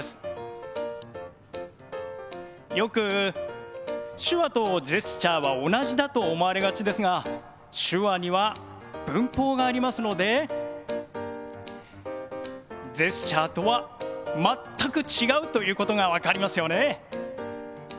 よく手話とジェスチャーは同じだと思われがちですが手話には文法がありますのでジェスチャーとは全く違うということが分かりますよね。